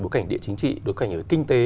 bối cảnh địa chính trị đối cảnh về kinh tế